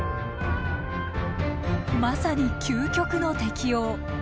まさに究極の適応。